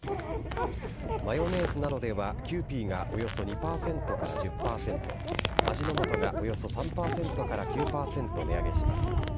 マヨネーズなどでは、キユーピーがおよそ２％から１０％、味の素がおよそ３％から９％値上げします。